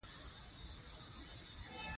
زه ستا په ژبه نه پوهېږم